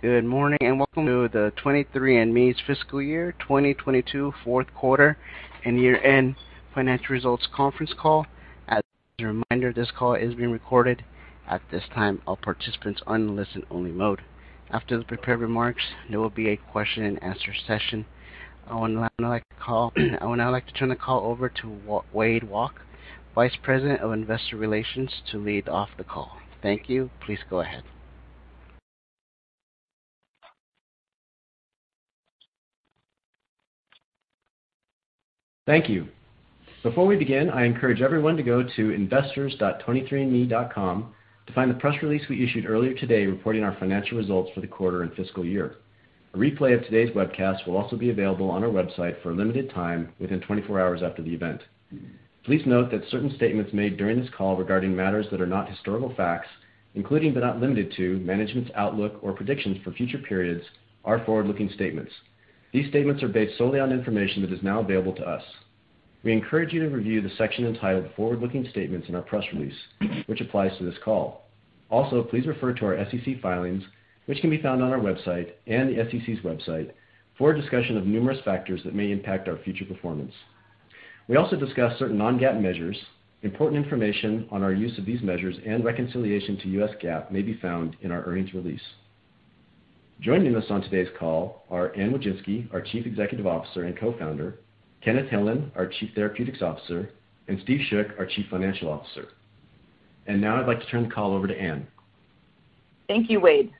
Good morning, and welcome to the 23andMe's fiscal year 2022 fourth quarter and year-end financial results conference call. As a reminder, this call is being recorded. At this time, all participants are in listen only mode. After the prepared remarks, there will be a question and answer session. I would now like to turn the call over to Wade Walke, Vice President of Investor Relations, to lead off the call. Thank you. Please go ahead. Thank you. Before we begin, I encourage everyone to go to investors.23andMe.com to find the press release we issued earlier today reporting our financial results for the quarter and fiscal year. A replay of today's webcast will also be available on our website for a limited time within 24 hours after the event. Please note that certain statements made during this call regarding matters that are not historical facts, including but not limited to management's outlook or predictions for future periods, are forward-looking statements. These statements are based solely on information that is now available to us. We encourage you to review the section entitled Forward-Looking Statements in our press release, which applies to this call. Also, please refer to our SEC filings, which can be found on our website and the SEC's website, for a discussion of numerous factors that may impact our future performance. We also discuss certain non-GAAP measures. Important information on our use of these measures and reconciliation to U.S. GAAP may be found in our earnings release. Joining us on today's call are Anne Wojcicki, our Chief Executive Officer and Co-founder; Kenneth Hillan, our Chief Therapeutics Officer; and Steve Schoch, our Chief Financial Officer. Now I'd like to turn the call over to Anne. Thank you, Wade.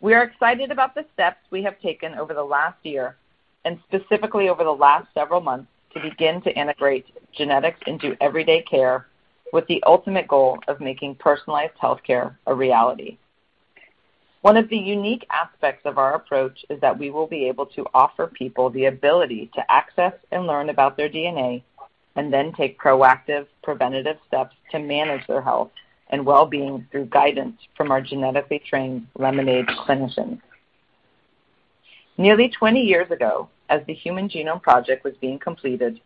We are excited about the steps we have taken over the last year and specifically over the last several months to begin to integrate genetics into everyday care with the ultimate goal of making personalized healthcare a reality. One of the unique aspects of our approach is that we will be able to offer people the ability to access and learn about their DNA and then take proactive, preventative steps to manage their health and well-being through guidance from our genetically trained Lemonaid clinicians. Nearly 20 years ago, as the Human Genome Project was being completed,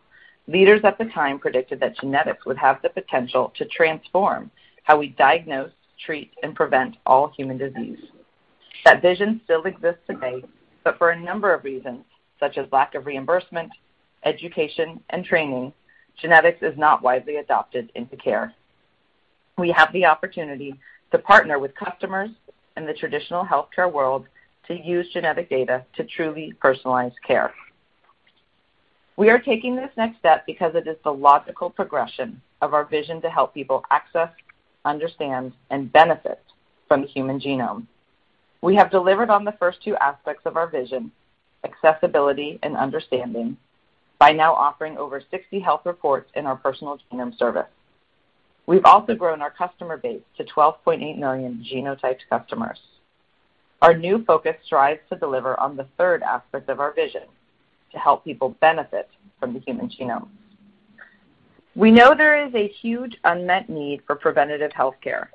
leaders at the time predicted that genetics would have the potential to transform how we diagnose, treat, and prevent all human disease. That vision still exists today, but for a number of reasons, such as lack of reimbursement, education, and training, genetics is not widely adopted into care. We have the opportunity to partner with customers in the traditional healthcare world to use genetic data to truly personalize care. We are taking this next step because it is the logical progression of our vision to help people access, understand, and benefit from the human genome. We have delivered on the first two aspects of our vision, accessibility and understanding, by now offering over 60 health reports in our Personal Genome Service. We've also grown our customer base to 12.8 million genotyped customers. Our new focus strives to deliver on the third aspect of our vision, to help people benefit from the human genome. We know there is a huge unmet need for preventative healthcare.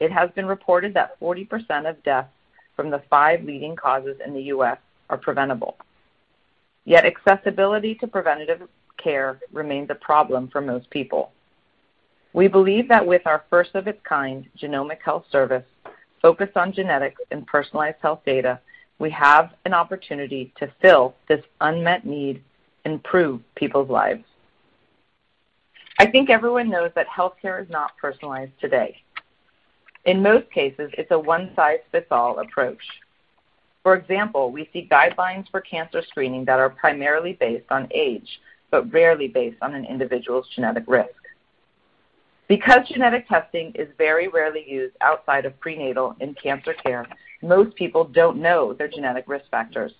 It has been reported that 40% of deaths from the five leading causes in the U.S. are preventable. Yet accessibility to preventative care remains a problem for most people. We believe that with our first of its kind genomic health service focused on genetics and personalized health data, we have an opportunity to fill this unmet need and improve people's lives. I think everyone knows that healthcare is not personalized today. In most cases, it's a one size fits all approach. For example, we see guidelines for cancer screening that are primarily based on age but rarely based on an individual's genetic risk. Because genetic testing is very rarely used outside of prenatal and cancer care, most people don't know their genetic risk factors,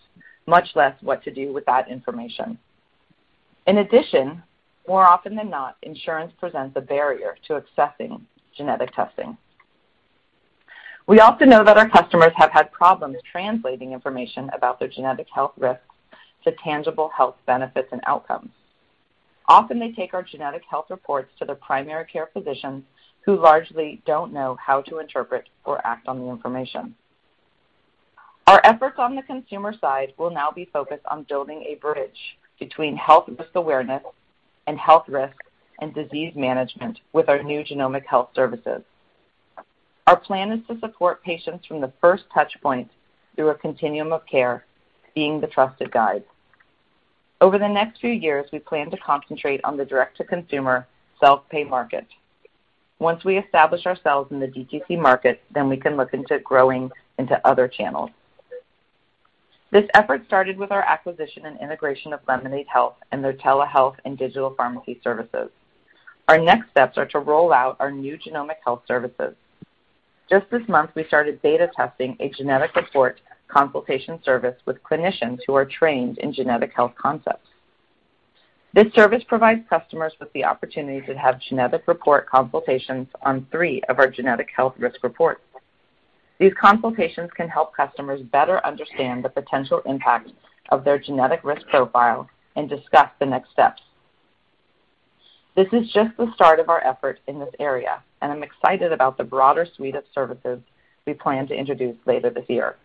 much less what to do with that information. In addition, more often than not, insurance presents a barrier to accessing genetic testing. We also know that our customers have had problems translating information about their genetic health risks to tangible health benefits and outcomes. Often, they take our genetic health reports to their primary care physicians, who largely don't know how to interpret or act on the information. Our efforts on the consumer side will now be focused on building a bridge between health risk awareness and health risk and disease management with our new genomic health services. Our plan is to support patients from the first touchpoint through a continuum of care, being the trusted guide. Over the next few years, we plan to concentrate on the direct-to-consumer self-pay market. Once we establish ourselves in the DTC market, then we can look into growing into other channels. This effort started with our acquisition and integration of Lemonaid Health and their telehealth and digital pharmacy services. Our next steps are to roll out our new genomic health services. Just this month, we started beta testing a genetic report consultation service with clinicians who are trained in genetic health concepts. This service provides customers with the opportunity to have genetic report consultations on three of our genetic health risk reports. These consultations can help customers better understand the potential impact of their genetic risk profile and discuss the next steps. This is just the start of our efforts in this area, and I'm excited about the broader suite of services we plan to introduce later this year.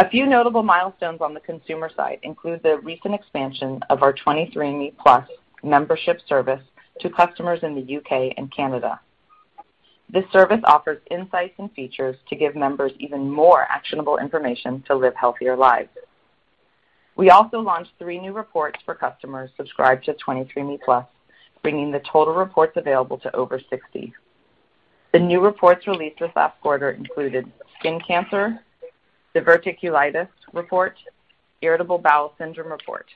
A few notable milestones on the consumer side include the recent expansion of our 23andMe+ membership service to customers in the U.K. and Canada. This service offers insights and features to give members even more actionable information to live healthier lives. We also launched three new reports for customers subscribed to 23andMe+, bringing the total reports available to over 60. The new reports released this last quarter included skin cancer, diverticulitis report, irritable bowel syndrome report.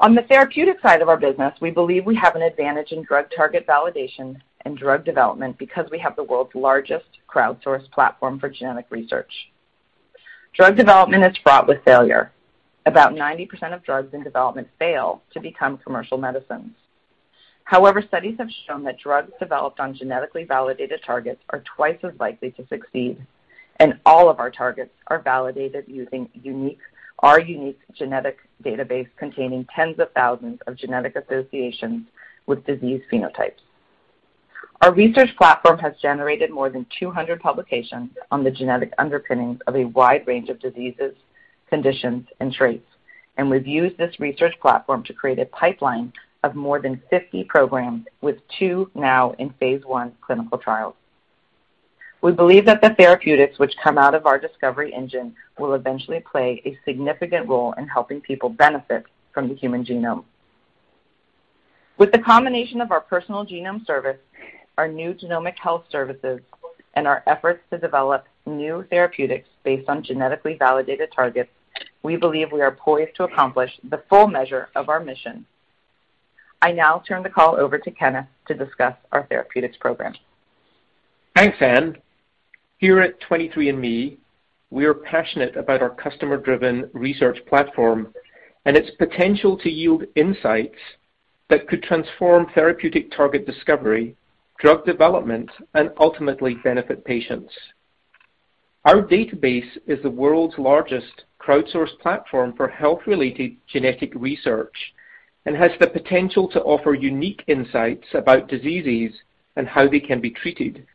On the therapeutic side of our business, we believe we have an advantage in drug target validation and drug development because we have the world's largest crowdsourced platform for genetic research. Drug development is fraught with failure. About 90% of drugs in development fail to become commercial medicines. However, studies have shown that drugs developed on genetically validated targets are twice as likely to succeed, and all of our targets are validated using our unique genetic database containing tens of thousands of genetic associations with disease phenotypes. Our research platform has generated more than 200 publications on the genetic underpinnings of a wide range of diseases, conditions, and traits, and we've used this research platform to create a pipeline of more than 50 programs with two now in phase I clinical trials. We believe that the therapeutics which come out of our discovery engine will eventually play a significant role in helping people benefit from the human genome. With the combination of our Personal Genome Service, our new genomic health services, and our efforts to develop new therapeutics based on genetically validated targets, we believe we are poised to accomplish the full measure of our mission. I now turn the call over to Kenneth to discuss our therapeutics program. Thanks, Anne. Here at 23andMe, we are passionate about our customer-driven research platform and its potential to yield insights that could transform therapeutic target discovery, drug development, and ultimately benefit patients. Our database is the world's largest crowdsourced platform for health-related genetic research and has the potential to offer unique insights about diseases and how they can be treated.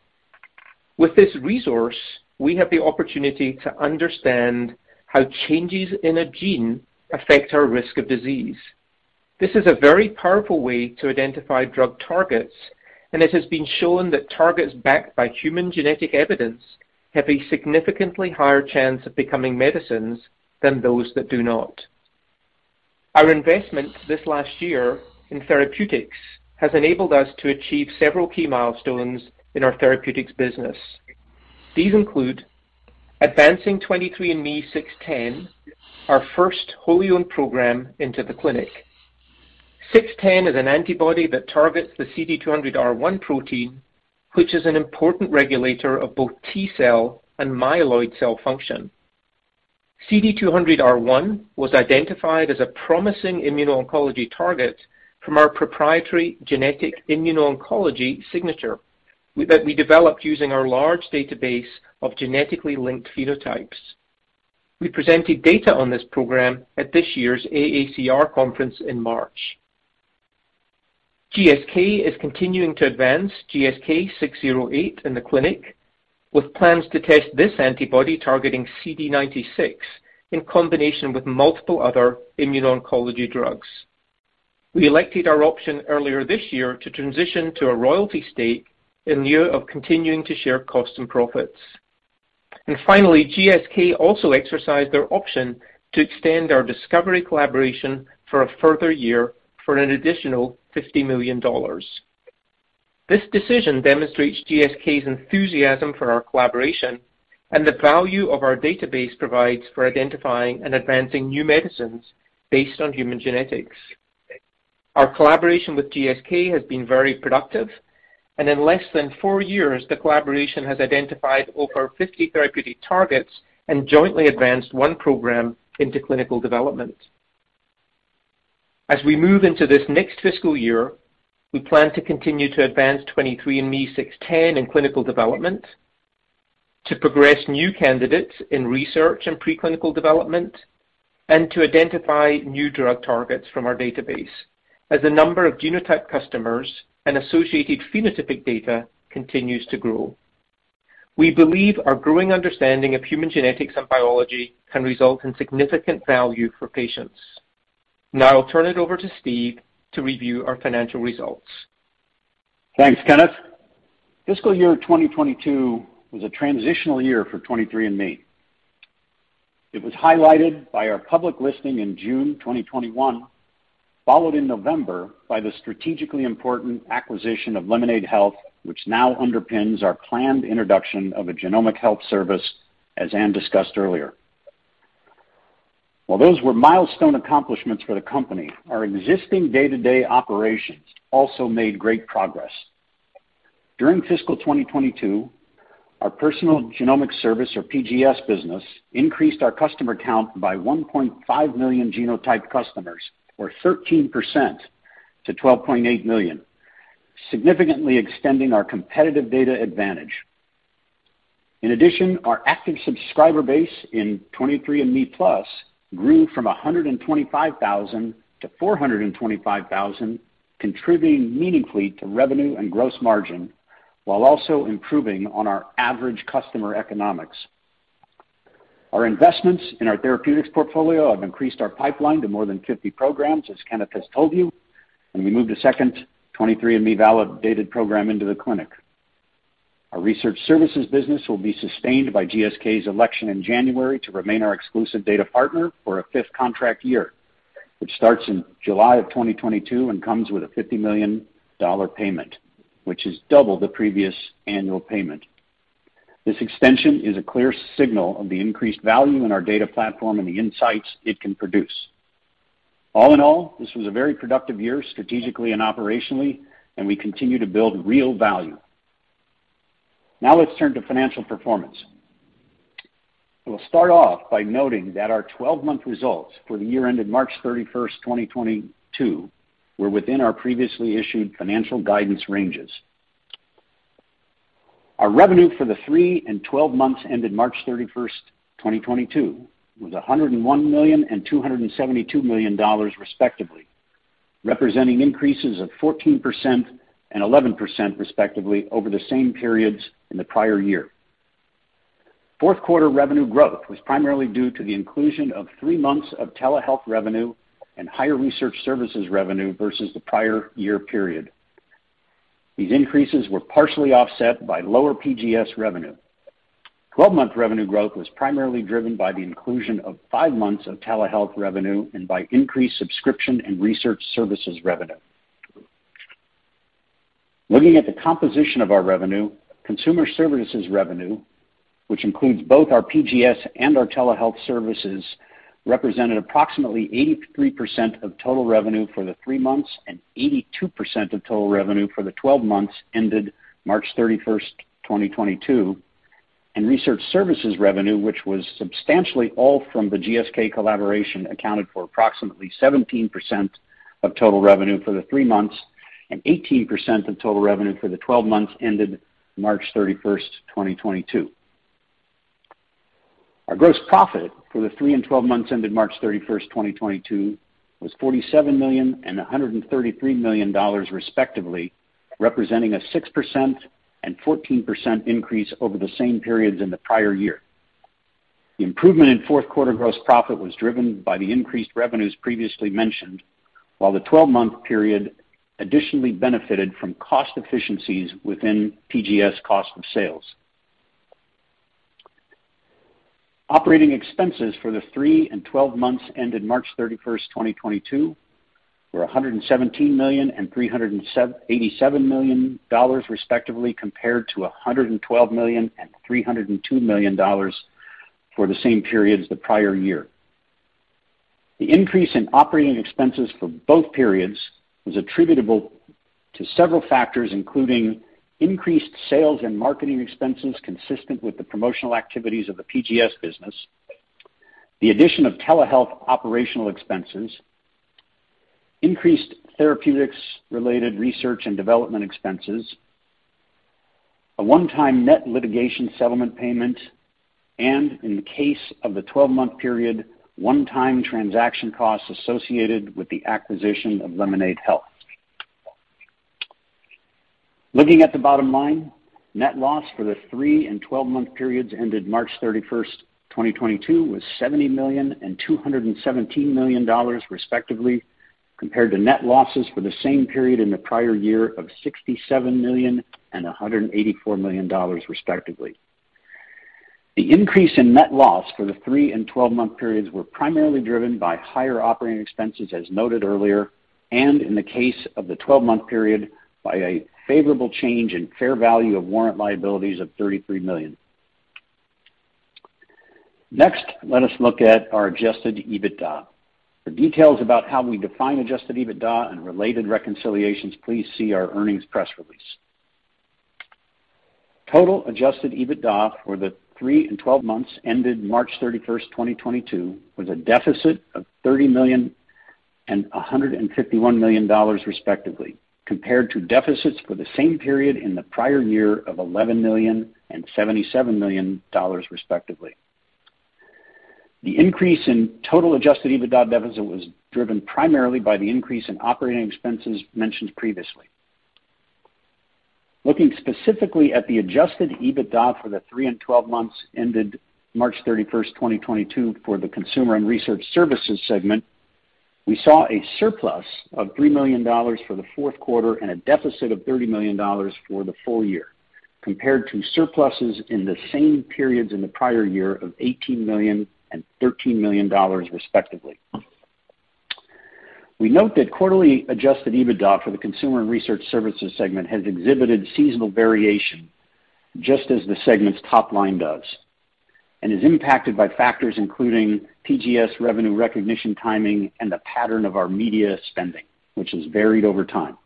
With this resource, we have the opportunity to understand how changes in a gene affect our risk of disease. This is a very powerful way to identify drug targets, and it has been shown that targets backed by human genetic evidence have a significantly higher chance of becoming medicines than those that do not. Our investment this last year in therapeutics has enabled us to achieve several key milestones in our therapeutics business. These include advancing 23ME’610, our first wholly owned program, into the clinic. 610 is an antibody that targets the CD200R1 protein, which is an important regulator of both T-cell and myeloid cell function. CD200R1 was identified as a promising immuno-oncology target from our proprietary genetic immuno-oncology signature that we developed using our large database of genetically linked phenotypes. We presented data on this program at this year's AACR conference in March. GSK is continuing to advance GSK'608 in the clinic, with plans to test this antibody targeting CD96 in combination with multiple other immuno-oncology drugs. We elected our option earlier this year to transition to a royalty stake in lieu of continuing to share costs and profits. Finally, GSK also exercised their option to extend our discovery collaboration for a further year for an additional $50 million. This decision demonstrates GSK's enthusiasm for our collaboration and the value of our database provides for identifying and advancing new medicines based on human genetics. Our collaboration with GSK has been very productive, and in less than four years, the collaboration has identified over 50 therapeutic targets and jointly advanced one program into clinical development. As we move into this next fiscal year, we plan to continue to advance 23ME’610 in clinical development, to progress new candidates in research and preclinical development, and to identify new drug targets from our database as the number of genotype customers and associated phenotypic data continues to grow. We believe our growing understanding of human genetics and biology can result in significant value for patients. Now I'll turn it over to Steve to review our financial results. Thanks, Kenneth. Fiscal year 2022 was a transitional year for 23andMe. It was highlighted by our public listing in June 2021, followed in November by the strategically important acquisition of Lemonaid Health, which now underpins our planned introduction of a genomic health service, as Anne discussed earlier. While those were milestone accomplishments for the company, our existing day-to-day operations also made great progress. During fiscal 2022, our Personal Genome Service or PGS business increased our customer count by 1.5 million genotyped customers or 13% to 12.8 million, significantly extending our competitive data advantage. In addition, our active subscriber base in 23andMe+ grew from 125,000 to 425,000, contributing meaningfully to revenue and gross margin while also improving on our average customer economics. Our investments in our therapeutics portfolio have increased our pipeline to more than 50 programs, as Kenneth has told you, and we moved a second 23andMe validated program into the clinic. Our research services business will be sustained by GSK's election in January to remain our exclusive data partner for a fifth contract year, which starts in July of 2022 and comes with a $50 million payment, which is double the previous annual payment. This extension is a clear signal of the increased value in our data platform and the insights it can produce. All in all, this was a very productive year strategically and operationally, and we continue to build real value. Now let's turn to financial performance. We'll start off by noting that our 12-month results for the year ended March 31, 2022 were within our previously issued financial guidance ranges. Our revenue for the three and 12 months ended March 31, 2022 was $101 million and $272 million, respectively, representing increases of 14% and 11%, respectively, over the same periods in the prior year. Fourth quarter revenue growth was primarily due to the inclusion of three months of telehealth revenue and higher research services revenue versus the prior year period. These increases were partially offset by lower PGS revenue. 12-month revenue growth was primarily driven by the inclusion of five months of telehealth revenue and by increased subscription and research services revenue. Looking at the composition of our revenue, consumer services revenue, which includes both our PGS and our telehealth services, represented approximately 83% of total revenue for the three months and 82% of total revenue for the 12 months ended March 31, 2022. Research Services revenue, which was substantially all from the GSK collaboration, accounted for approximately 17% of total revenue for the three months and 18% of total revenue for the twelve months ended March 31, 2022. Our gross profit for the three and twelve months ended March 31, 2022 was $47 million and $133 million, respectively, representing a 6% and 14% increase over the same periods in the prior year. The improvement in fourth quarter gross profit was driven by the increased revenues previously mentioned, while the twelve-month period additionally benefited from cost efficiencies within PGS cost of sales. Operating expenses for the three and 12 months ended March 31, 2022 were $117 million and $387 million, respectively, compared to $112 million and $302 million for the same periods the prior year. The increase in operating expenses for both periods was attributable to several factors, including increased sales and marketing expenses consistent with the promotional activities of the PGS business, the addition of telehealth operational expenses, increased therapeutics-related research and development expenses, a one-time net litigation settlement payment, and in case of the 12-month period, one-time transaction costs associated with the acquisition of Lemonaid Health. Looking at the bottom line, net loss for the three and 12-month periods ended March 31, 2022 was $70 million and $217 million, respectively, compared to net losses for the same period in the prior year of $67 million and $184 million, respectively. The increase in net loss for the three and 12-month periods were primarily driven by higher operating expenses, as noted earlier, and in the case of the 12-month period, by a favorable change in fair value of warrant liabilities of $33 million. Next, let us look at our adjusted EBITDA. For details about how we define adjusted EBITDA and related reconciliations, please see our earnings press release. Total adjusted EBITDA for the three and 12 months ended March 31, 2022 was a deficit of $30 million and $151 million, respectively, compared to deficits for the same period in the prior year of $11 million and $77 million, respectively. The increase in total adjusted EBITDA deficit was driven primarily by the increase in operating expenses mentioned previously. Looking specifically at the adjusted EBITDA for the three and 12 months ended March 31, 2022 for the Consumer & Research Services segment, we saw a surplus of $3 million for the fourth quarter and a deficit of $30 million for the full year, compared to surpluses in the same periods in the prior year of $18 million and $13 million, respectively. We note that quarterly adjusted EBITDA for the Consumer & Research Services segment has exhibited seasonal variation, just as the segment's top line does, and is impacted by factors including PGS revenue recognition timing and the pattern of our media spending, which has varied over time.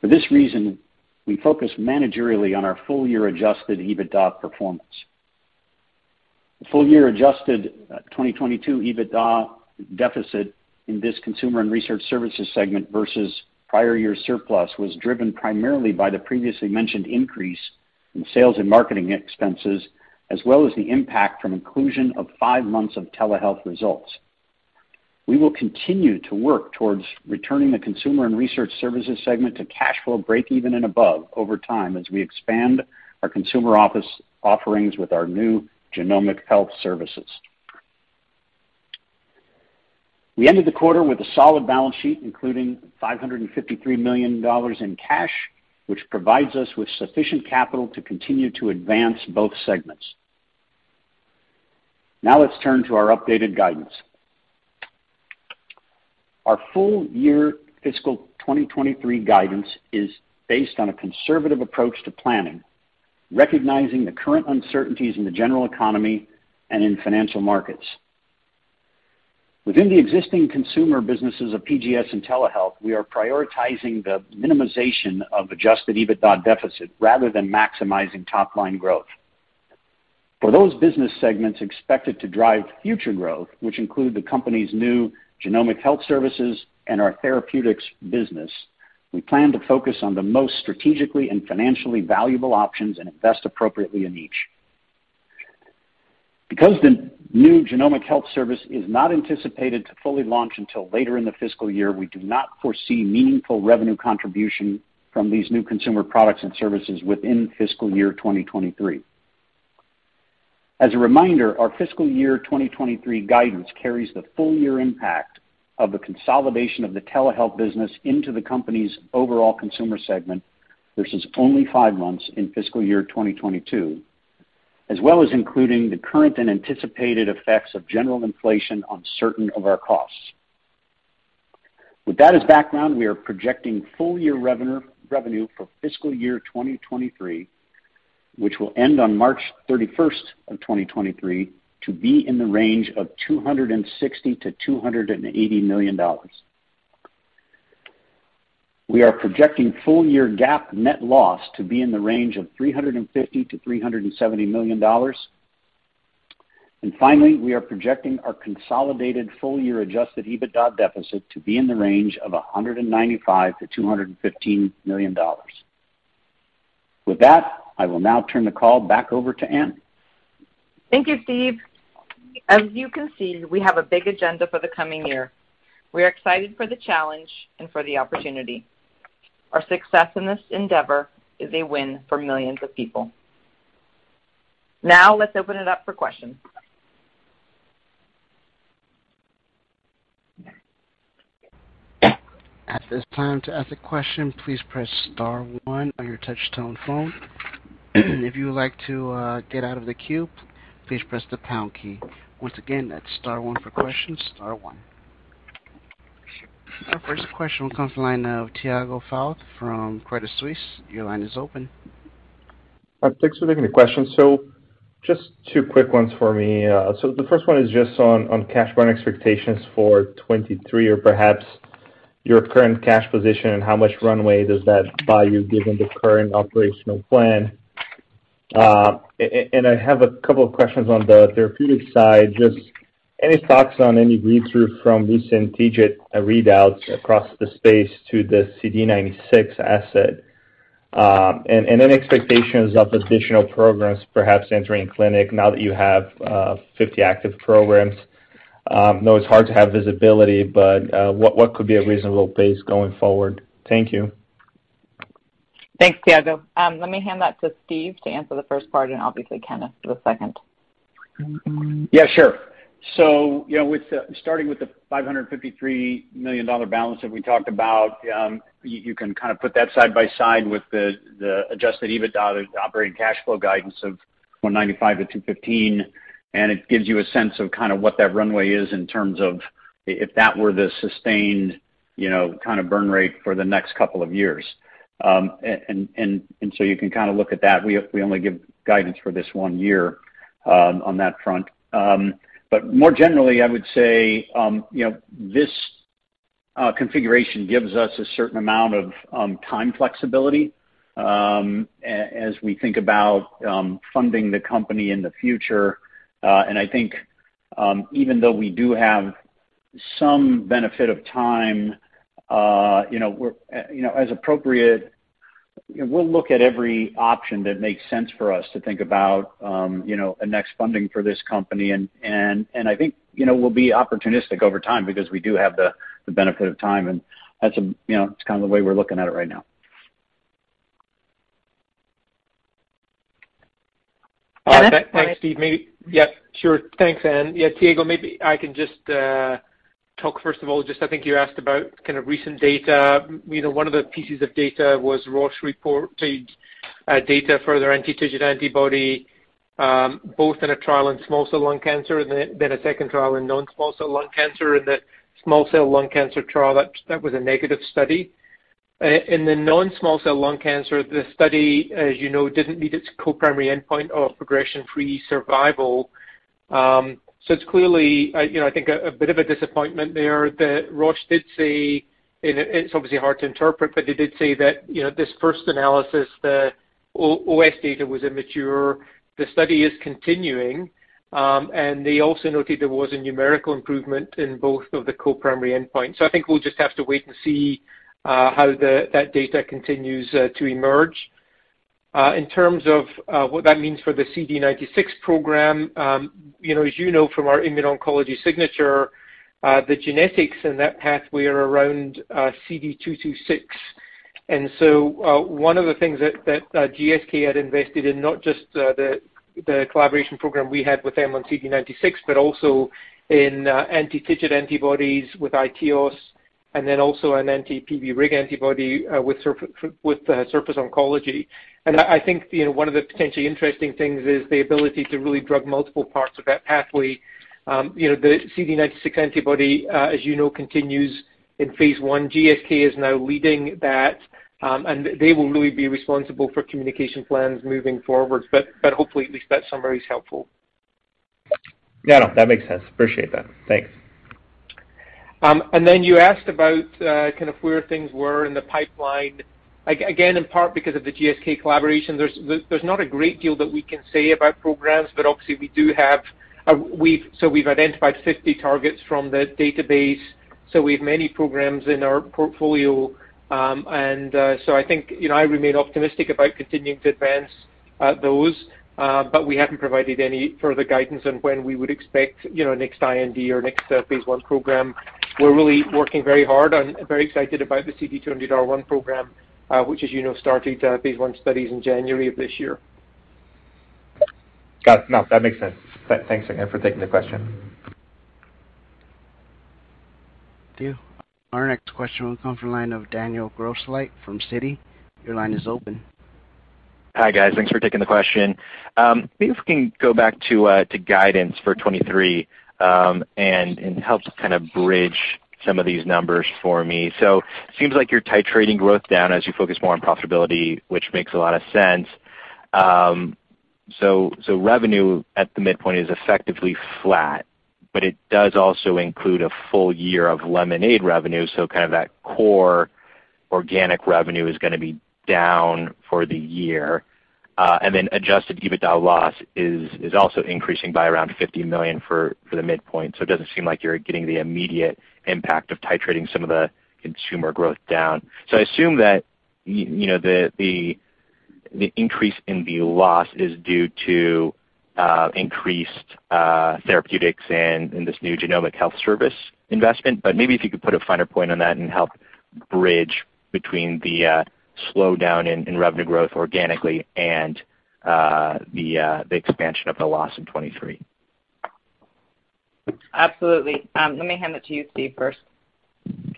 For this reason, we focus managerially on our full year adjusted EBITDA performance. The full year adjusted 2022 EBITDA deficit in this Consumer & Research Services segment versus prior year surplus was driven primarily by the previously mentioned increase and sales and marketing expenses, as well as the impact from inclusion of five months of telehealth results. We will continue to work towards returning the Consumer & Research Services segment to cash flow breakeven and above over time as we expand our consumer product offerings with our new genomic health services. We ended the quarter with a solid balance sheet, including $553 million in cash, which provides us with sufficient capital to continue to advance both segments. Now let's turn to our updated guidance. Our full year fiscal 2023 guidance is based on a conservative approach to planning, recognizing the current uncertainties in the general economy and in financial markets. Within the existing consumer businesses of PGS and telehealth, we are prioritizing the minimization of adjusted EBITDA deficit rather than maximizing top line growth. For those business segments expected to drive future growth, which include the company's new genomic health services and our therapeutics business, we plan to focus on the most strategically and financially valuable options and invest appropriately in each. Because the new genomic health service is not anticipated to fully launch until later in the fiscal year, we do not foresee meaningful revenue contribution from these new consumer products and services within fiscal year 2023. As a reminder, our fiscal year 2023 guidance carries the full year impact of the consolidation of the telehealth business into the company's overall consumer segment, versus only five months in fiscal year 2022, as well as including the current and anticipated effects of general inflation on certain of our costs. With that as background, we are projecting full-year revenue for fiscal year 2023, which will end on March 31st, 2023, to be in the range of $260 million-$280 million. We are projecting full year GAAP net loss to be in the range of $350 million-$370 million. Finally, we are projecting our consolidated full year adjusted EBITDA deficit to be in the range of $195 million-$215 million. With that, I will now turn the call back over to Anne. Thank you, Steve. As you can see, we have a big agenda for the coming year. We are excited for the challenge and for the opportunity. Our success in this endeavor is a win for millions of people. Now let's open it up for questions. At this time to ask a question, please press star one on your touchtone phone. If you would like to get out of the queue, please press the pound key. Once again, that's star one for questions, star one. Our first question comes from the line of Tiago Fauth from Credit Suisse. Your line is open. Thanks for taking the question. Just two quick ones for me. The first one is just on cash burn expectations for 2023 or perhaps your current cash position and how much runway does that buy you given the current operational plan. And I have a couple of questions on the therapeutic side. Just any thoughts on any read-through from recent TIGIT readouts across the space to the CD96 asset, and then expectations of additional programs perhaps entering clinic now that you have 50 active programs. I know it's hard to have visibility, but what could be a reasonable pace going forward? Thank you. Thanks, Tiago. Let me hand that to Steve to answer the first part and obviously Kenneth for the second. Yeah, sure. You know, starting with the $553 million balance that we talked about, you can kind of put that side by side with the adjusted EBITDA, the operating cash flow guidance of $195 million-$215 million, and it gives you a sense of kind of what that runway is in terms of if that were the sustained, you know, kind of burn rate for the next couple of years. You can kind of look at that. We only give guidance for this one year on that front. More generally, I would say, you know, this configuration gives us a certain amount of time flexibility as we think about funding the company in the future. I think, even though we do have some benefit of time, you know, we're, you know, as appropriate, you know, we'll look at every option that makes sense for us to think about, you know, a next funding for this company. I think, you know, we'll be opportunistic over time because we do have the benefit of time. That's, you know, it's kind of the way we're looking at it right now. The next part. Thanks, Steve. Thanks, Anne. Yeah, Tiago, maybe I can just talk first of all. I think you asked about kind of recent data. You know, one of the pieces of data was Roche reported data for their anti-TIGIT antibody, both in a trial in small cell lung cancer and then a second trial in non-small cell lung cancer. In the small cell lung cancer trial, that was a negative study. In the non-small cell lung cancer, the study, as you know, didn't meet its co-primary endpoint of progression-free survival. So it's clearly, you know, I think a bit of a disappointment there that Roche did say, and it's obviously hard to interpret, but they did say that, you know, this first analysis, the OS data was immature. The study is continuing, and they also noted there was a numerical improvement in both of the co-primary endpoints. I think we'll just have to wait and see how that data continues to emerge. In terms of what that means for the CD96 program, you know, as you know from our immuno-oncology signature, the genetics in that pathway are around CD226. One of the things that GSK had invested in, not just the collaboration program we had with them on CD96, but also in anti-TIGIT antibodies with iTeos, and then also an anti-PVRIG antibody with Surface Oncology. I think, you know, one of the potentially interesting things is the ability to really drug multiple parts of that pathway. You know, the CD96 antibody, as you know, continues in phase I. GSK is now leading that, and they will really be responsible for communication plans moving forward. Hopefully at least that summary is helpful. Yeah, no, that makes sense. Appreciate that. Thanks. You asked about kind of where things were in the pipeline. Again, in part because of the GSK collaboration, there's not a great deal that we can say about programs, but obviously we do have. So we've identified 50 targets from the database, so we have many programs in our portfolio. I think, you know, I remain optimistic about continuing to advance those, but we haven't provided any further guidance on when we would expect, you know, next IND or next phase I program. Very excited about the CD200R1 program, which, as you know, started phase one studies in January of this year. Got it. No, that makes sense. Thanks again for taking the question. Thank you. Our next question will come from the line of Daniel Grosslight from Citi. Your line is open. Hi, guys. Thanks for taking the question. Maybe if we can go back to guidance for 2023 and help kind of bridge some of these numbers for me. Seems like you're titrating growth down as you focus more on profitability, which makes a lot of sense. Revenue at the midpoint is effectively flat, but it does also include a full year of Lemonaid revenue, so kind of that core organic revenue is gonna be down for the year. Adjusted EBITDA loss is also increasing by around $50 million for the midpoint. It doesn't seem like you're getting the immediate impact of titrating some of the consumer growth down. I assume that you know, the increase in the loss is due to increased therapeutics and this new Genomic Health Service investment. Maybe if you could put a finer point on that and help bridge between the slowdown in revenue growth organically and the expansion of the loss in 2023. Absolutely. Let me hand it to you, Steve, first.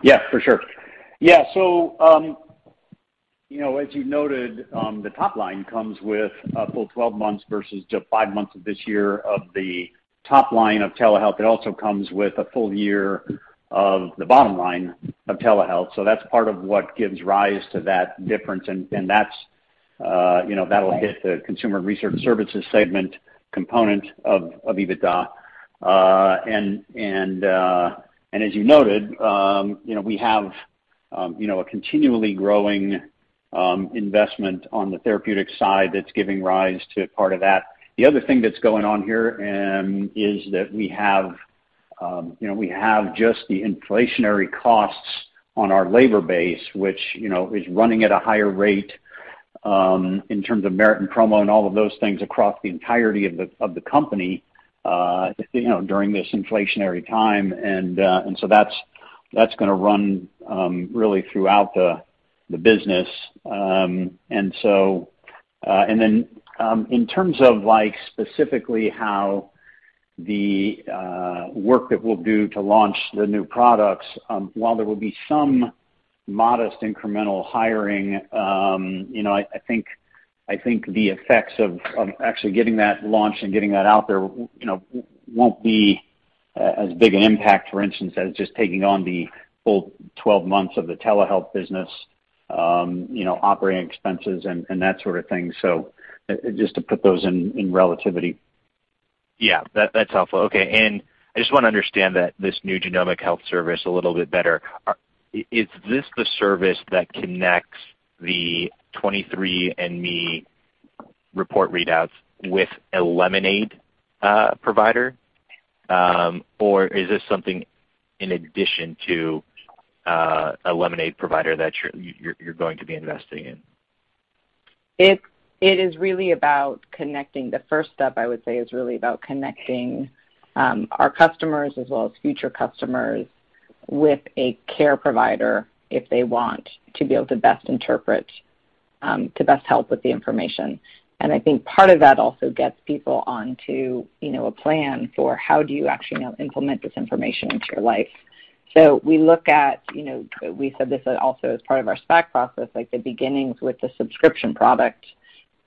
Yeah, for sure. Yeah. You know, as you noted, the top line comes with a full 12 months versus just five months of this year of the top line of telehealth. It also comes with a full year of the bottom line of telehealth. That's part of what gives rise to that difference. That's, you know, that'll hit the Consumer & Research Services segment component of EBITDA. As you noted, you know, we have, you know, a continually growing investment on the therapeutic side that's giving rise to part of that. The other thing that's going on here is that, you know, we have just the inflationary costs on our labor base, which, you know, is running at a higher rate in terms of merit and promo and all of those things across the entirety of the company, you know, during this inflationary time. That's gonna run really throughout the business. In terms of like specifically how the work that we'll do to launch the new products, while there will be some modest incremental hiring, you know, I think the effects of actually getting that launched and getting that out there you know, won't be as big an impact, for instance, as just taking on the full 12 months of the telehealth business, you know, operating expenses and that sort of thing. Just to put those in relativity. Yeah. That's helpful. Okay. I just want to understand that this new genomic health service a little bit better. Is this the service that connects the 23andMe report readouts with a Lemonaid provider? Or is this something in addition to a Lemonaid provider that you're going to be investing in? It is really about connecting. The first step, I would say, is really about connecting our customers as well as future customers with a care provider if they want to be able to best help with the information. I think part of that also gets people onto, you know, a plan for how do you actually now implement this information into your life. We look at, you know, we said this also as part of our SPAC process, like the beginnings with the subscription product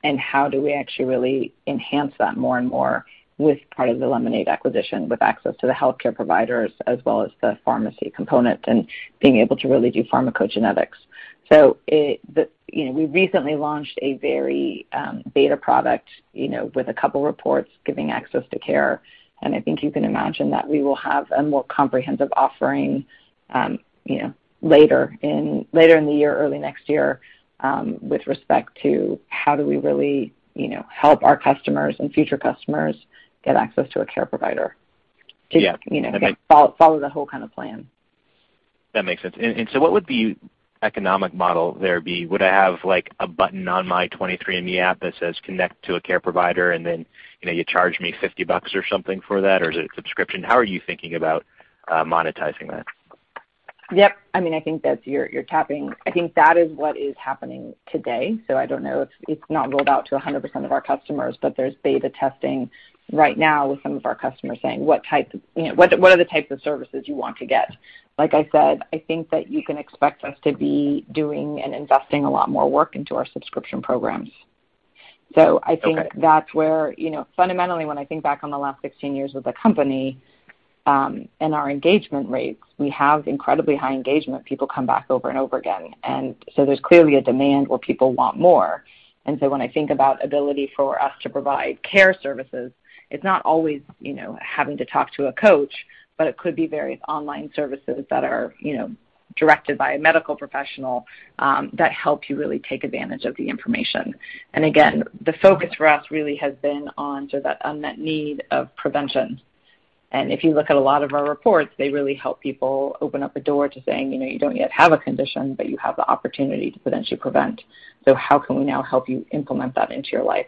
and how do we actually really enhance that more and more with part of the Lemonaid acquisition, with access to the healthcare providers as well as the pharmacy component and being able to really do pharmacogenetics. You know, we recently launched a very beta product, you know, with a couple reports giving access to care, and I think you can imagine that we will have a more comprehensive offering, you know, later in the year, early next year, with respect to how do we really, you know, help our customers and future customers get access to a care provider. Yeah. Okay. You know, follow the whole kind of plan. That makes sense. What would the economic model there be? Would I have like a button on my 23andMe app that says connect to a care provider and then, you know, you charge me $50 or something for that? Or is it a subscription? How are you thinking about monetizing that? Yep. I mean, I think that is what is happening today. I don't know if it's not rolled out to 100% of our customers, but there's beta testing right now with some of our customers saying, "You know, what are the types of services you want to get?" Like I said, I think that you can expect us to be doing and investing a lot more work into our subscription programs. I think. Okay. That's where, you know, fundamentally, when I think back on the last 16 years with the company, and our engagement rates, we have incredibly high engagement. People come back over and over again. There's clearly a demand where people want more. When I think about ability for us to provide care services, it's not always, you know, having to talk to a coach, but it could be various online services that are, you know, directed by a medical professional, that help you really take advantage of the information. The focus for us really has been on to that unmet need of prevention. If you look at a lot of our reports, they really help people open up a door to saying, you know, you don't yet have a condition, but you have the opportunity to potentially prevent. How can we now help you implement that into your life?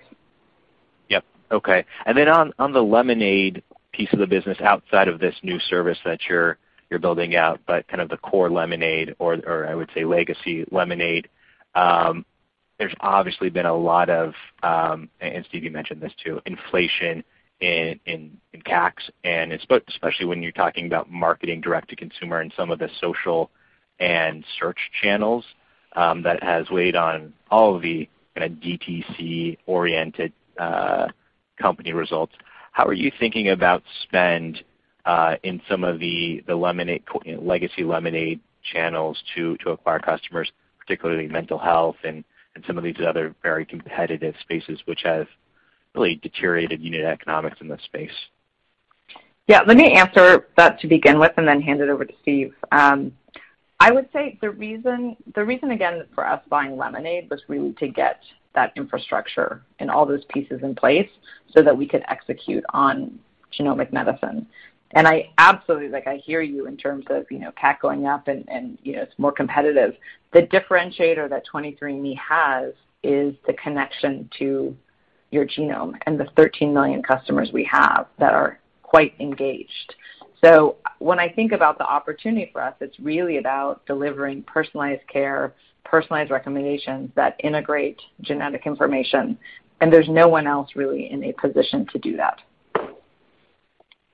Yep. Okay. On the Lemonaid piece of the business outside of this new service that you're building out, but kind of the core Lemonaid, or I would say legacy Lemonaid, there's obviously been a lot of, and Steve, you mentioned this too, inflation in CapEx and especially when you're talking about marketing direct to consumer and some of the social and search channels, that has weighed on all of the kinda DTC-oriented company results. How are you thinking about spend in some of the Lemonaid, you know, legacy Lemonaid channels to acquire customers, particularly mental health and some of these other very competitive spaces which have really deteriorated unit economics in this space? Yeah, let me answer that to begin with and then hand it over to Steve. I would say the reason again for us buying Lemonaid was really to get that infrastructure and all those pieces in place so that we could execute on genomic medicine. I absolutely, like I hear you in terms of, you know, CapEx going up and, you know, it's more competitive. The differentiator that 23andMe has is the connection to your genome and the 13 million customers we have that are quite engaged. When I think about the opportunity for us, it's really about delivering personalized care, personalized recommendations that integrate genetic information, and there's no one else really in a position to do that.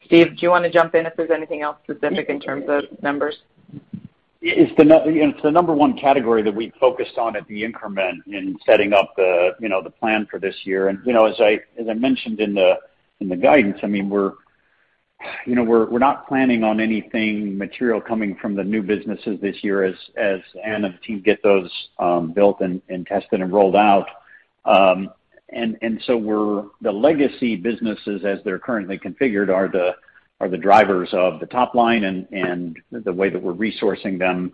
Steve, do you wanna jump in if there's anything else specific in terms of numbers? It's the number one category that we focused on at the inception in setting up the, you know, the plan for this year. You know, as I mentioned in the guidance, I mean, we're not planning on anything material coming from the new businesses this year as Anne and the team get those built and tested and rolled out. The legacy businesses as they're currently configured are the drivers of the top line and the way that we're resourcing them.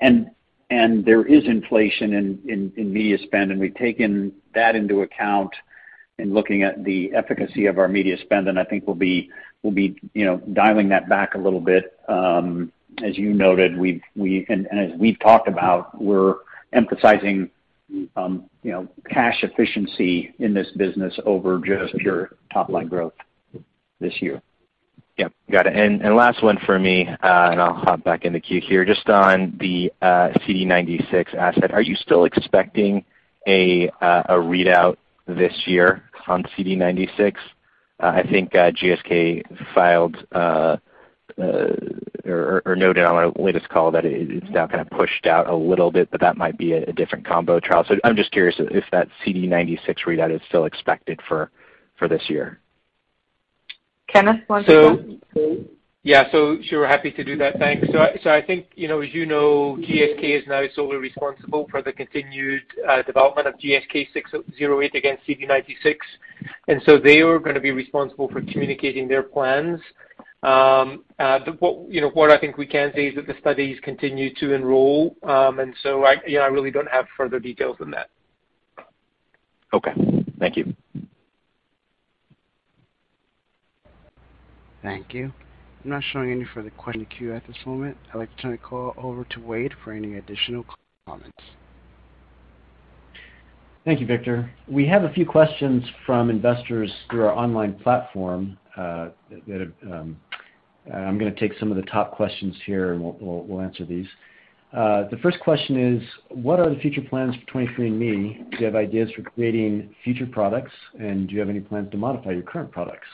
There is inflation in media spend, and we've taken that into account in looking at the efficacy of our media spend. I think we'll be dialing that back a little bit. As you noted and as we've talked about, we're emphasizing, you know, cash efficiency in this business over just pure top line growth this year. Yep, got it. Last one for me, and I'll hop back in the queue here. Just on the CD96 asset, are you still expecting a readout this year on CD96? I think GSK filed or noted on their latest call that it's now kind of pushed out a little bit, but that might be a different combo trial. I'm just curious if that CD96 readout is still expected for this year. Kenneth, want to take that? Yeah. Sure, happy to do that. Thanks. I think, you know, as you know, GSK is now solely responsible for the continued development of GSK'608 against CD96. They are gonna be responsible for communicating their plans. What, you know, what I think we can say is that the studies continue to enroll. I, you know, I really don't have further details than that. Okay. Thank you. Thank you. I'm not showing any further questions in the queue at this moment. I'd like to turn the call over to Wade for any additional comments. Thank you, Victor. We have a few questions from investors through our online platform. I'm gonna take some of the top questions here and we'll answer these. The first question is, what are the future plans for 23andMe? Do you have ideas for creating future products, and do you have any plans to modify your current products?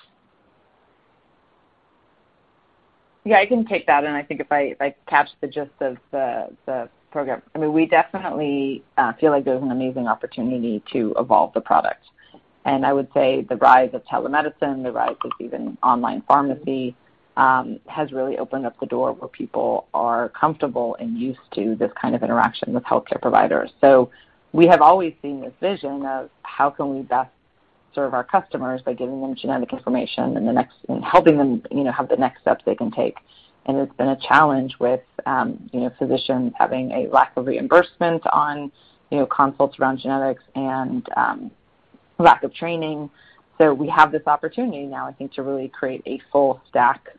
Yeah, I can take that, and I think if I catch the gist of the program. I mean, we definitely feel like there's an amazing opportunity to evolve the product. I would say the rise of telemedicine, the rise of even online pharmacy has really opened up the door where people are comfortable and used to this kind of interaction with healthcare providers. We have always seen this vision of how can we best serve our customers by giving them genetic information and helping them, you know, have the next steps they can take. It's been a challenge with, you know, physicians having a lack of reimbursement on, you know, consults around genetics and lack of training. We have this opportunity now, I think, to really create a full stack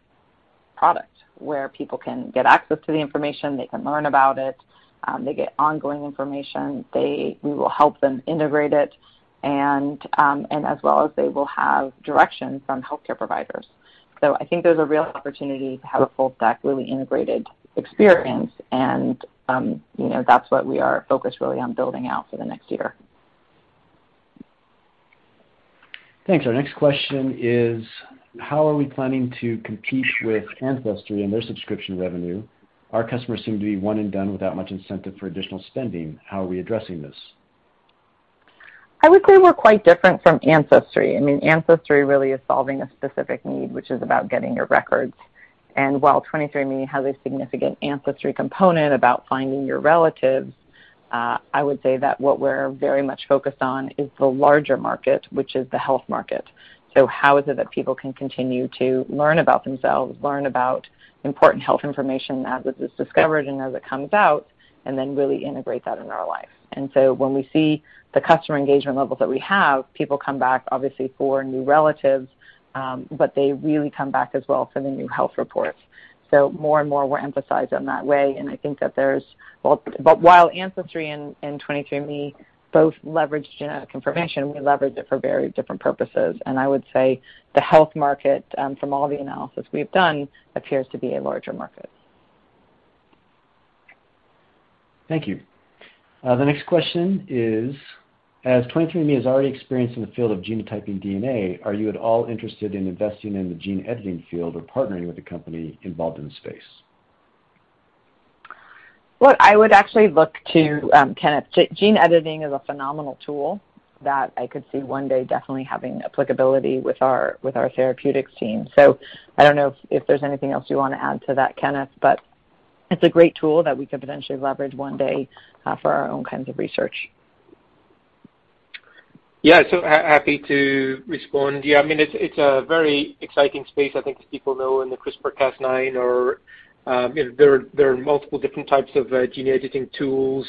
product where people can get access to the information, they can learn about it, they get ongoing information. We will help them integrate it and as well as they will have direction from healthcare providers. I think there's a real opportunity to have a full stack, really integrated experience and, you know, that's what we are focused really on building out for the next year. Thanks. Our next question is, how are we planning to compete with Ancestry and their subscription revenue? Our customers seem to be one and done without much incentive for additional spending. How are we addressing this? I would say we're quite different from Ancestry. I mean, Ancestry really is solving a specific need, which is about getting your records. While 23andMe has a significant Ancestry component about finding your relatives, I would say that what we're very much focused on is the larger market, which is the health market. How is it that people can continue to learn about themselves, learn about important health information as it is discovered and as it comes out, and then really integrate that in our life. When we see the customer engagement levels that we have, people come back obviously for new relatives, but they really come back as well for the new health reports. More and more we're emphasized on that way, and I think that there's. Well, while Ancestry and 23andMe both leverage genetic information, we leverage it for very different purposes. I would say the health market, from all the analysis we've done, appears to be a larger market. Thank you. The next question is, as 23andMe is already experienced in the field of genotyping DNA, are you at all interested in investing in the gene editing field or partnering with a company involved in the space? Well, I would actually look to Kenneth. Gene editing is a phenomenal tool that I could see one day definitely having applicability with our therapeutics team. I don't know if there's anything else you want to add to that, Kenneth, but it's a great tool that we could potentially leverage one day for our own kinds of research. Yeah. Happy to respond. Yeah, I mean, it's a very exciting space, I think as people know, in the CRISPR-Cas9 or, you know, there are multiple different types of gene editing tools.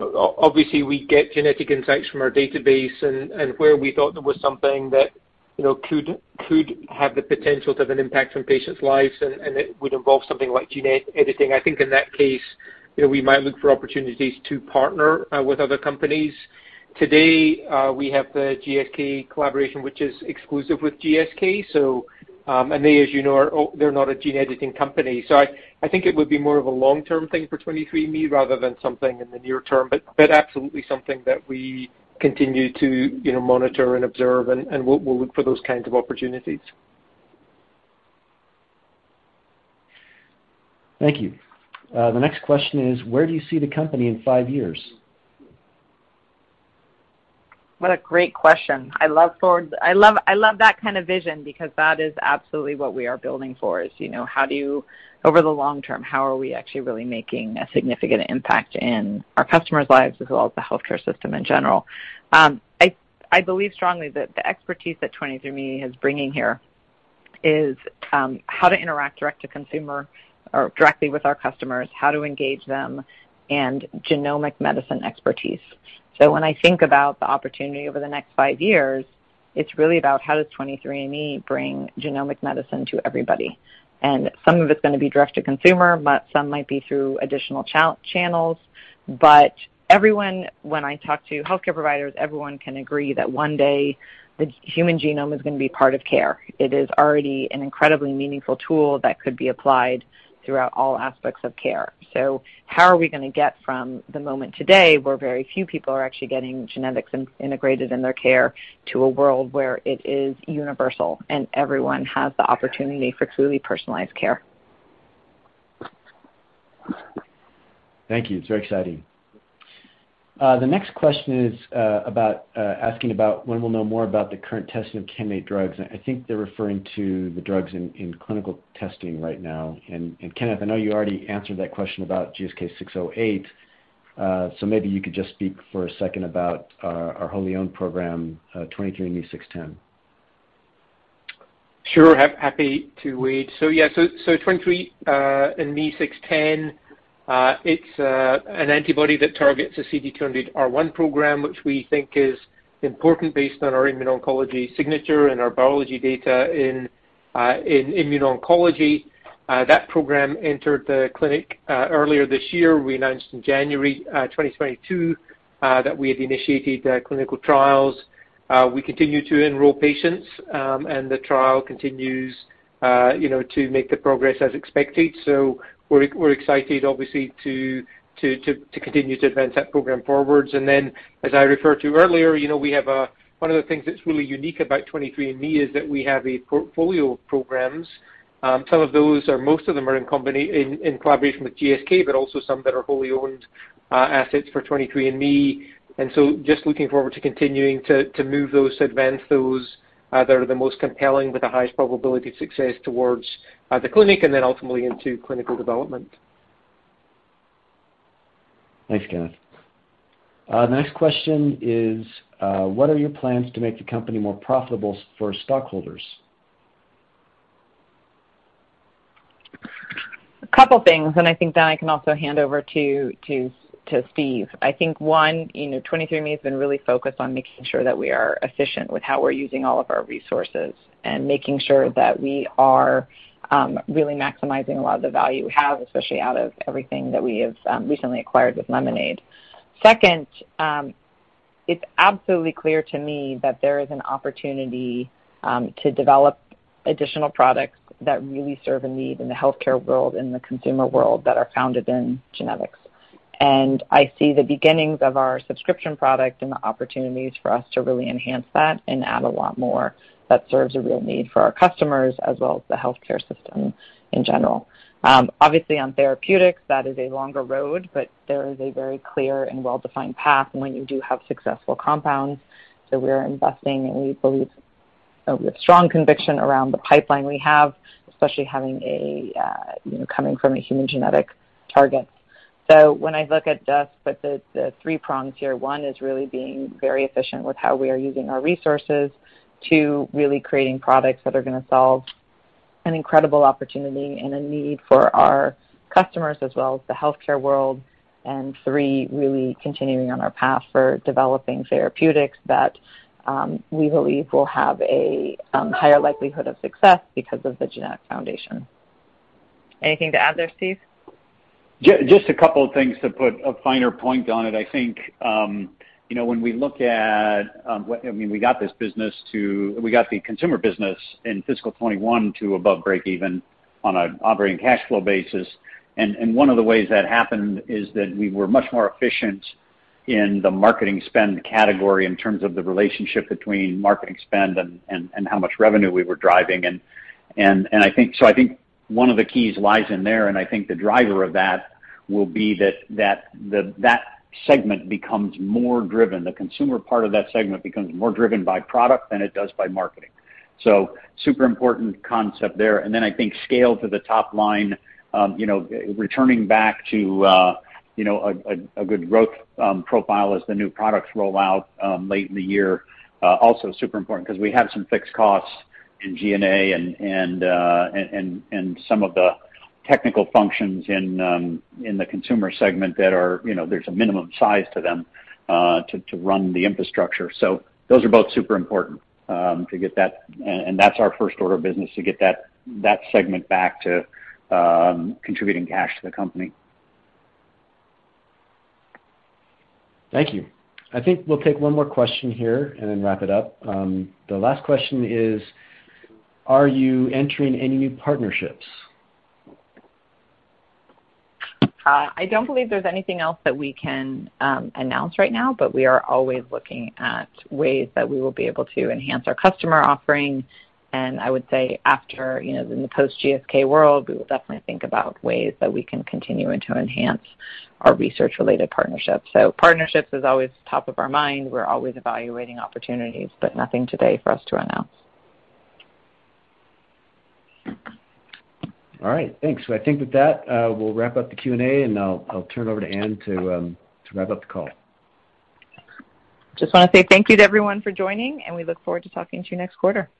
Obviously, we get genetic insights from our database and where we thought there was something that, you know, could have the potential to have an impact on patients' lives and it would involve something like gene editing. I think in that case, you know, we might look for opportunities to partner with other companies. Today, we have the GSK collaboration, which is exclusive with GSK. And they, as you know, they're not a gene editing company. I think it would be more of a long-term thing for 23andMe rather than something in the near term. Absolutely something that we continue to, you know, monitor and observe, and we'll look for those kinds of opportunities. Thank you. The next question is, where do you see the company in five years? What a great question. I love that kind of vision because that is absolutely what we are building for. You know, over the long term, how are we actually really making a significant impact in our customers' lives as well as the healthcare system in general? I believe strongly that the expertise that 23andMe is bringing here is how to interact direct to consumer or directly with our customers, how to engage them and genomic medicine expertise. When I think about the opportunity over the next five years, it's really about how does 23andMe bring genomic medicine to everybody. Some of it's gonna be direct to consumer, but some might be through additional channels. Everyone, when I talk to healthcare providers, everyone can agree that one day the human genome is gonna be part of care. It is already an incredibly meaningful tool that could be applied throughout all aspects of care. How are we gonna get from the moment today where very few people are actually getting genetics integrated in their care to a world where it is universal and everyone has the opportunity for truly personalized care? Thank you. It's very exciting. The next question is about asking about when we'll know more about the current testing of candidate drugs. I think they're referring to the drugs in clinical testing right now. Kenneth, I know you already answered that question about GSK'608. Maybe you could just speak for a second about our wholly owned program, 23ME’610. Sure. Happy to, Wade. Yeah, 23ME’610, it's an antibody that targets a CD200R1 program, which we think is important based on our immuno-oncology signature and our biology data in immuno-oncology. That program entered the clinic earlier this year. We announced in January 2022 that we had initiated clinical trials. We continue to enroll patients, and the trial continues, you know, to make the progress as expected. We're excited obviously to continue to advance that program forwards. As I referred to earlier, you know, we have one of the things that's really unique about 23andMe is that we have a portfolio of programs. Most of them are in collaboration with GSK, but also some that are wholly owned assets for 23andMe. Just looking forward to continuing to advance those that are the most compelling with the highest probability of success towards the clinic and then ultimately into clinical development. Thanks, Kenneth. Next question is, what are your plans to make the company more profitable for stockholders? A couple things, and I think then I can also hand over to Steve. I think one, you know, 23andMe has been really focused on making sure that we are efficient with how we're using all of our resources and making sure that we are really maximizing a lot of the value we have, especially out of everything that we have recently acquired with Lemonaid. Second, it's absolutely clear to me that there is an opportunity to develop additional products that really serve a need in the healthcare world, in the consumer world that are founded in genetics. I see the beginnings of our subscription product and the opportunities for us to really enhance that and add a lot more that serves a real need for our customers as well as the healthcare system in general. Obviously on therapeutics, that is a longer road, but there is a very clear and well-defined path when you do have successful compounds. We're investing, and we believe with strong conviction around the pipeline we have, especially having, you know, coming from a human genetic target. When I look at just with the three prongs here, one is really being very efficient with how we are using our resources. Two, really creating products that are gonna solve an incredible opportunity and a need for our customers as well as the healthcare world. Three, really continuing on our path for developing therapeutics that we believe will have a higher likelihood of success because of the genetic foundation. Anything to add there, Steve? Just a couple of things to put a finer point on it. I think, you know, when we look at, I mean, we got the consumer business in fiscal 2021 to above breakeven on an operating cash flow basis. One of the ways that happened is that we were much more efficient in the marketing spend category in terms of the relationship between marketing spend and how much revenue we were driving. I think one of the keys lies in there, and I think the driver of that will be that the segment becomes more driven. The consumer part of that segment becomes more driven by product than it does by marketing. Super important concept there. I think scale to the top line, you know, returning back to, you know, a good growth profile as the new products roll out, late in the year. Also super important because we have some fixed costs in G&A and some of the technical functions in the consumer segment that are, you know, there's a minimum size to them, to run the infrastructure. Those are both super important, to get that. That's our first order of business, to get that segment back to contributing cash to the company. Thank you. I think we'll take one more question here and then wrap it up. The last question is, are you entering any new partnerships? I don't believe there's anything else that we can announce right now, but we are always looking at ways that we will be able to enhance our customer offering. I would say after, you know, in the post GSK world, we will definitely think about ways that we can continue to enhance our research related partnerships. Partnerships is always top of our mind. We're always evaluating opportunities, but nothing today for us to announce. I think with that, we'll wrap up the Q&A, and I'll turn over to Anne to wrap up the call. Just wanna say thank you to everyone for joining, and we look forward to talking to you next quarter.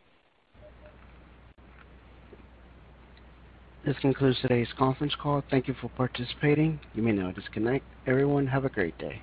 This concludes today's conference call. Thank you for participating. You may now disconnect. Everyone, have a great day.